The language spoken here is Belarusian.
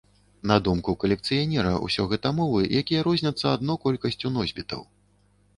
На думку калекцыянера, усё гэта мовы, якія розняцца адно колькасцю носьбітаў.